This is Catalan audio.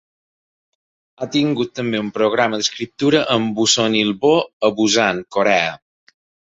Ha tingut també un programa d'escriptura amb Busan Ilbo, a Busan, Corea.